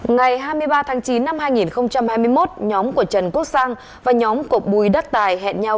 ngày hai mươi ba tháng chín năm hai nghìn hai mươi một nhóm của trần quốc sang và nhóm của bùi đất tài hẹn nhau